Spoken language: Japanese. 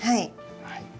はい。